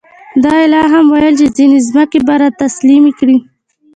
دا یې لا هم ویل چې ځینې ځمکې به را تسلیم کړي.